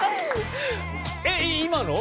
えっ今の？